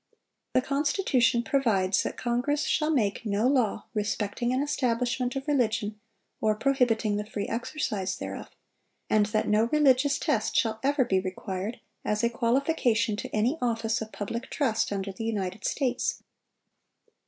The Constitution provides that "Congress shall make no law respecting an establishment of religion, or prohibiting the free exercise thereof," and that "no religious test shall ever be required as a qualification to any office of public trust under the United States."